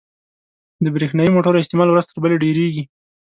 • د برېښنايي موټرو استعمال ورځ تر بلې ډېرېږي.